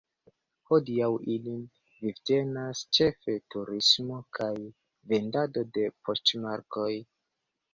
Hodiaŭ ilin vivtenas ĉefe turismo kaj vendado de poŝtmarkoj.